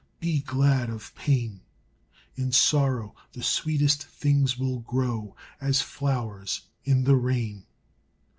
Be glad of pain; In sorrow the sweetest things will grow As flowers in the rain.